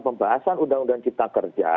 pembahasan undang undang cipta kerja